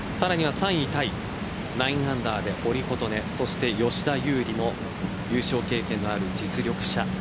さらには３位タイ９アンダーで堀琴音そして吉田優利も優勝経験のある実力者。